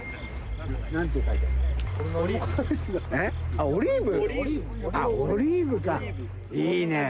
あっオリーブ？